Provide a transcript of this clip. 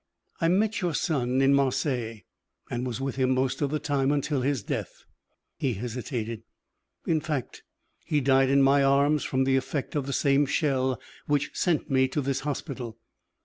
"I met your son in Marseilles and was with him most of the time until his death." He hesitated. "In fact, he died in my arms from the effect of the same shell which sent me to this hospital.